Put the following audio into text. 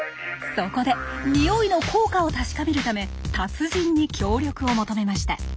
そこでニオイの効果を確かめるため達人に協力を求めました。